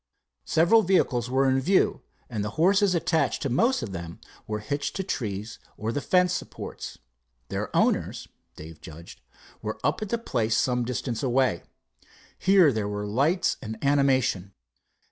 Several vehicles were in view, and the horses attached to most of them were hitched to trees or the fence supports. Their owners, Dave judged, were up at a place some distance away. Here there were lights and animation.